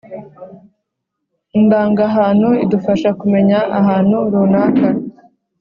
indangahantu idufasha kumenya ahantu runaka